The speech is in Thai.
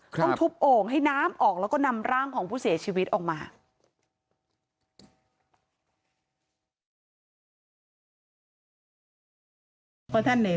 ต้องทุบโอ่งให้น้ำออกแล้วก็นำร่างของผู้เสียชีวิตออกมา